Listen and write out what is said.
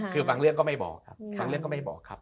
คือบางเรื่องก็ไม่บอกครับ